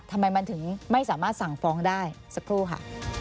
ทำไมมันถึงไม่สามารถสั่งฟ้องได้สักครู่ค่ะ